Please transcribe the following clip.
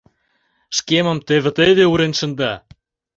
Шкемым теве-теве урен шында.